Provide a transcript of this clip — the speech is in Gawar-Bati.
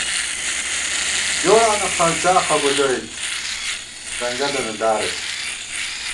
جوڑانہ خرچا قبُولوئیت ، ځنگَلَنہ دارہ ݪی